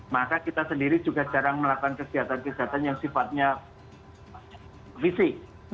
maka kita sendiri juga jarang melakukan kegiatan kegiatan yang sifatnya fisik